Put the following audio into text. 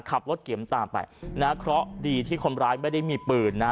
ขับรถเกียรติตามไปนะครับเพราะดีที่คนร้ายไม่ได้มีปืนนะ